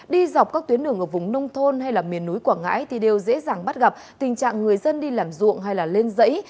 đi dọc các tuyến đường ở vùng nông thôn hay miền núi quảng ngãi thì đều dễ dàng bắt gặp tình trạng người dân đi làm ruộng hay là lên dãy